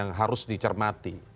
yang harus dicermati